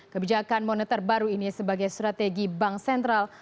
kebijakan moneter baru ini sebagai strategi bank sentral